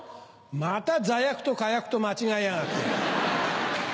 また座薬と火薬と間違えやがって。